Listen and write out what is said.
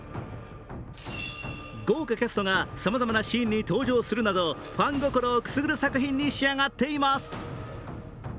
豪華キャストがさまざまなシーンに登場するなど、ファン心をくすぐる作品に仕上がっています。